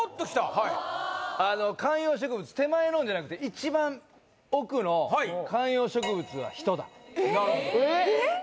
はいあの観葉植物手前のじゃなくて一番奥の観葉植物は人だえーっ！？